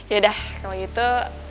yaudah kalau gitu